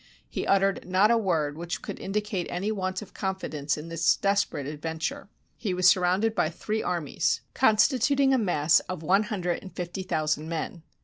He uttered not a word which could indi cate any want of confidence in this desperate adventure. He was surrounded by three armies, constituting a mass 126'' THE CROSSING OF THE BERESINA RIVER oi one hundred and fifty thousand men.